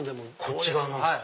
こっち側何ですか？